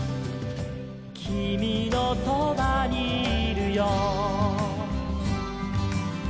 「きみのそばにいるよ」